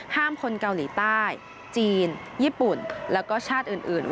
คนเกาหลีใต้จีนญี่ปุ่นแล้วก็ชาติอื่น